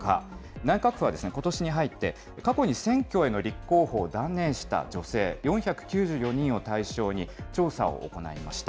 内閣府はことしに入って、過去に選挙への立候補を断念した女性４９４人を対象に調査を行いました。